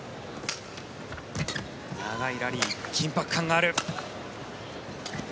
長いラリー、緊迫感がある。